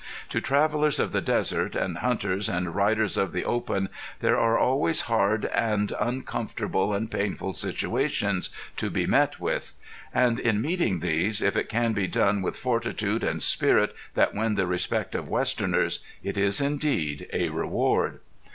To travelers of the desert and hunters and riders of the open there are always hard and uncomfortable and painful situations to be met with. And in meeting these, if it can be done with fortitude and spirit that win the respect of westerners, it is indeed a reward.